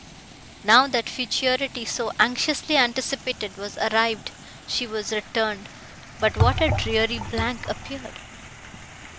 Now, that futurity, so anxiously anticipated, was arrived, she was returned—but what a dreary blank appeared!